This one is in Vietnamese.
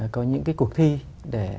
có những cái cuộc thi để